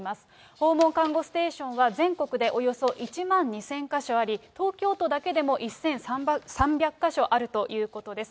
訪問看護ステーションは全国でおよそ１万２０００か所あり、東京都だけでも１３００か所あるということです。